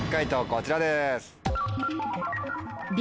こちらです。